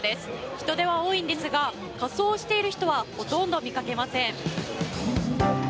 人出は多いんですが仮装している人はほとんど見かけません。